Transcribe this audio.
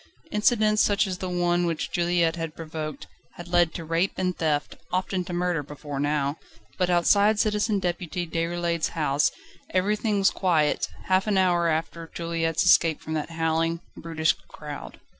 Incidents such as the one which Juliette had provoked, had led to rape and theft, often to murder, before now: but outside Citizen Deputy Déroulède's house everything was quiet, half an hour after Juliette's escape from that howling, brutish crowd.